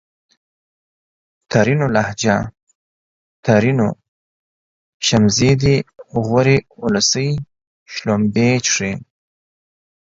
ترينو لهجه ! ترينو : شمزې دي غورې اولسۍ :شلومبې چښې